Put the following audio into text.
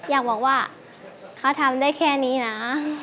อยากบอกว่าเขาทำได้แค่นี้นะ